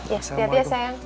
ya setia setia sayang